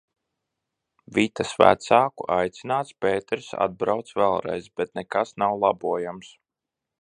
Vitas vecāku aicināts Pēteris atbrauc vēlreiz, bet nekas nav labojams.